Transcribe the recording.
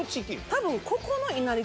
多分。